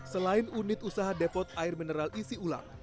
selain unit usaha depot air mineral isi ulang